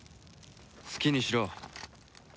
好きにしろ。